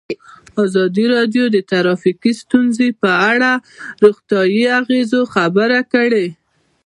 ازادي راډیو د ټرافیکي ستونزې په اړه د روغتیایي اغېزو خبره کړې.